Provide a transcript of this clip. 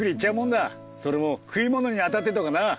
それも食い物にあたってとかな。